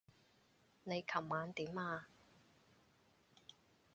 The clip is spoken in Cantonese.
你琴晚點啊？